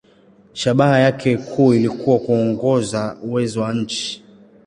Shabaha yake kuu ilikuwa kuongeza uwezo wa nchi.